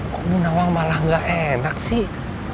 kok bu nawang malah tidak enak sih